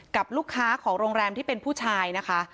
กับลูกค้าของโรงแรมที่เป็นผู้ชายนะคะ